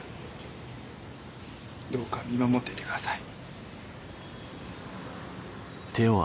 どうか見守っていてください。